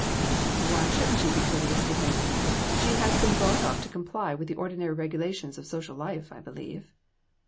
"Why shouldn't she be courteous to him? She has been brought up to comply with the ordinary regulations of social life, I believe."